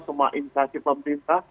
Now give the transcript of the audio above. semua administrasi pemerintah